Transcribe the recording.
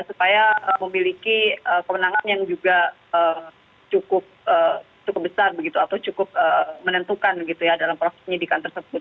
supaya memiliki kemenangan yang juga cukup besar begitu atau cukup menentukan gitu ya dalam proses penyidikan tersebut